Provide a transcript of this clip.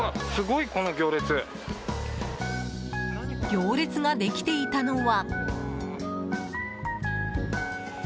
行列ができていたのは。